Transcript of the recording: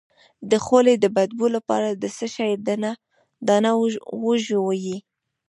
د خولې د بد بوی لپاره د څه شي دانه وژويئ؟